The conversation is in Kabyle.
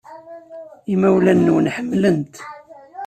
Imawlan-nwen ḥemmlen-t.